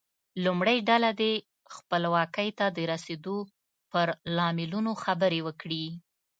لومړۍ ډله دې خپلواکۍ ته د رسیدو پر لاملونو خبرې وکړي.